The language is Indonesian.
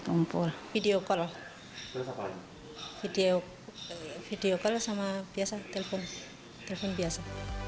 telpon telpon biasa